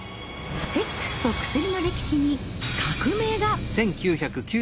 セックスと薬の歴史に革命が。